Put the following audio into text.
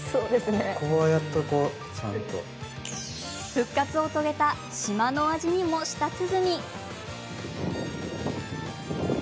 復活を遂げた島の味にも舌鼓。